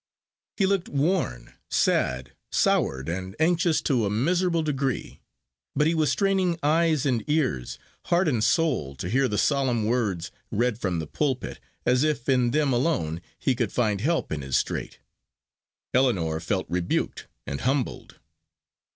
He looked worn, sad, soured, and anxious to a miserable degree; but he was straining eyes and ears, heart and soul, to hear the solemn words read from the pulpit, as if in them alone he could find help in his strait. Ellinor felt rebuked and humbled.